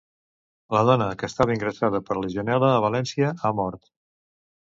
La dona que estava ingressada per legionel·la a València ha mort.